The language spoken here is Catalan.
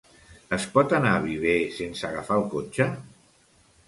Es pot anar a Viver sense agafar el cotxe?